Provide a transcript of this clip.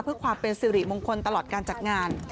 เพื่อความเป็นสิริมงคลตลอดการจัดงาน